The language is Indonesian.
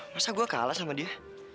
masa gue kalah sama dia